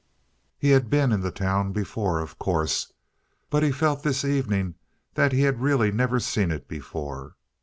He had been in the town before, of course. But he felt this evening that he had really never seen it before.